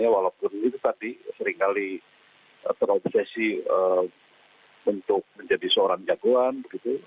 walaupun itu tadi seringkali terobsesi untuk menjadi seorang jagoan begitu